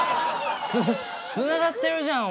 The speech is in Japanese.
つながってるじゃん！